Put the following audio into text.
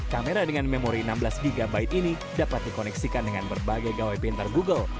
kamera dengan memori enam belas gb ini dapat dikoneksikan dengan berbagai gawai pintar google